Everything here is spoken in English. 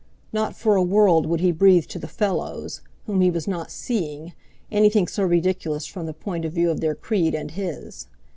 Not for a world would he breathe to the "fellows," whom he was not "seeing," anything so ridiculous from the point of view of their creed and his.